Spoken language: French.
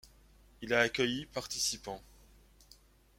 Il a accueilli participants.